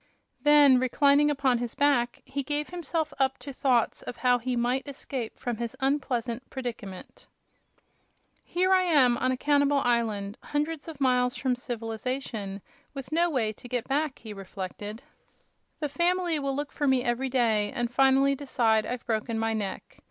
Then, reclining upon his back, he gave himself up to thoughts of how he might escape from his unpleasant predicament. "Here I am, on a cannibal island, hundreds of miles from civilization, with no way to get back," he reflected. "The family will look for me every day, and finally decide I've broken my neck.